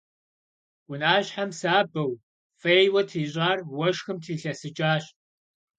Унащхьэм сабэу, фӀейуэ трищӀар уэшхым трилъэсыкӀащ.